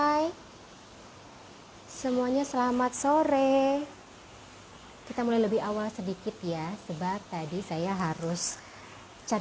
hai hai hai semuanya selamat sore kita mulai lebih awal sedikit ya sebab tadi saya harus cari